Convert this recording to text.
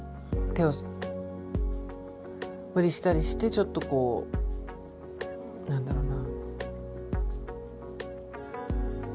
無理したりしてちょっとこう何だろうな。